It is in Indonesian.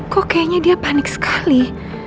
kok kayaknya dia panik sekali